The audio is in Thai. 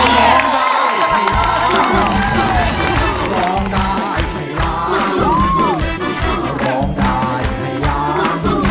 เปล่าเปล่าเปล่า